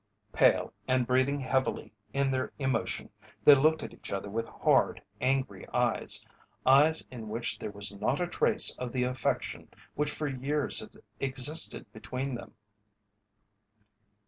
Pale and breathing heavily in their emotion, they looked at each other with hard, angry eyes eyes in which there was not a trace of the affection which for years had existed between them.